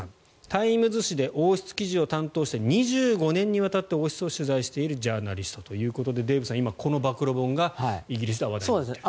タイムズ紙で王室記事を担当して２５年にわたって王室を取材しているジャーナリストということでデーブさん、今この暴露本がイギリスでは発売されていると。